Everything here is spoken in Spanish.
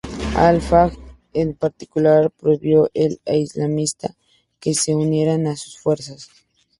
Al-Fajj, en particular prohibió a islamistas que se unieran a sus fuerzas.